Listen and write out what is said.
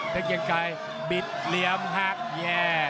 เพชรเกียงไกรบิดเรียมหักแย่